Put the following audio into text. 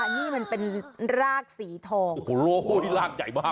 นี่มันเป็นรากสีทองโอ้โหรากใหญ่มาก